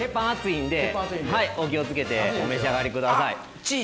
お気を付けてお召し上がりください。